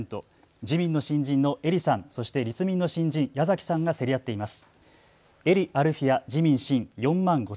自民の新人、英利さん、そして立民の新人、矢崎さんが競り合っています。